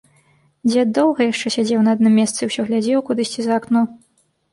Дзед доўга яшчэ сядзеў на адным месцы і ўсё глядзеў кудысьці за акно.